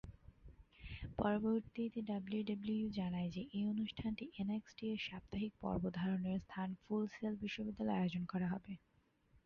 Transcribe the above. পরবর্তীতে, ডাব্লিউডাব্লিউই জানায় যে এই অনুষ্ঠানটি এনএক্সটি-এর সাপ্তাহিক পর্ব ধারণের স্থান ফুল সেল বিশ্ববিদ্যালয়ে আয়োজন করা হবে।